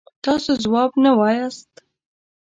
تاسو ځواب نه وایاست.